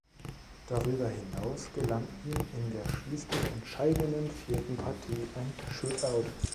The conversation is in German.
Darüber hinaus gelang ihm in der schließlich entscheidenden vierten Partie ein Shutout.